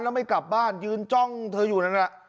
แล้วไม่กลับบ้านยืนจ้องเธออยู่นั่นแหละ